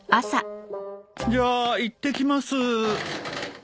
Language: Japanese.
じゃあいってきます。